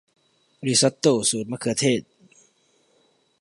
ริซอตโต้สูตรซอสมะเขือเทศ